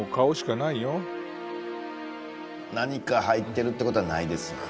何か入ってるってことはないですね。